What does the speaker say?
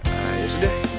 nah ya sudah